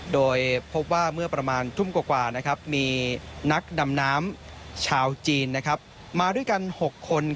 โดยพบว่าเมื่อประมาณทุ่มกว่ามีนักดำน้ำชาวจีนมาด้วยกัน๖คน